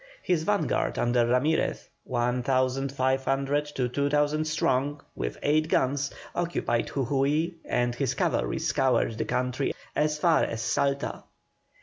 His vanguard under Ramirez, one thousand five hundred to two thousand strong, with eight guns, occupied Jujui, and his cavalry scoured the country as far as Salta.